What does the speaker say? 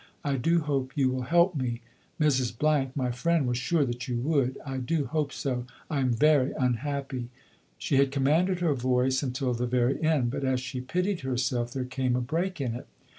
I do hope you will help me. Mrs. , my friend, was sure that you would. I do hope so. I am very unhappy." She had commanded her voice until the very end; but as she pitied herself there came a break in it.